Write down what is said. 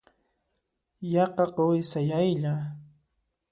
Yaqa quwi sayaylla.